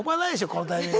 このタイミングで。